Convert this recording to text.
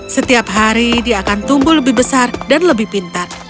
setiap hari dia akan tumbuh lebih besar dan lebih pintar